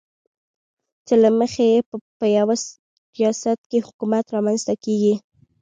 چې له مخې یې په یوه ریاست کې حکومت رامنځته کېږي.